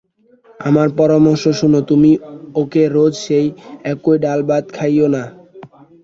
আমার পরামর্শ শোনো, তুমি ওকে রোজ সেই একই ডালভাত খাইয়ো না।